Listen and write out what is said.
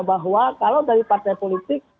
bahwa kalau dari partai politik